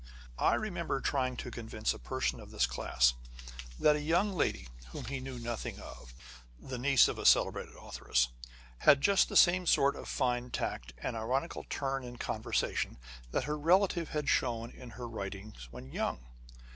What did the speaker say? I remember trying to convince a person of this class, that a young lady, whom he knew nothing of, the niece of a celebrated authoress,1 had just the same sort of fine tact and ironical turn in conversation, that her relative had shown in her writings when young.